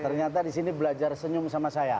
ternyata di sini belajar senyum sama saya